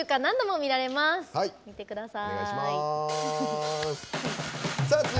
見てください。